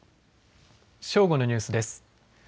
正午のニュースです。